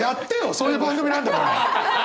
そういう番組なんだから。